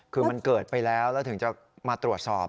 คือมันเกิดไปแล้วแล้วถึงจะมาตรวจสอบ